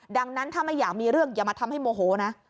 ดังนั้นถ้าไม่อยากมีเรื่องอย่ามาทำให้โมโหนะ